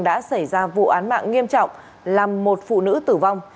đã xảy ra vụ án mạng nghiêm trọng làm một phụ nữ tử vong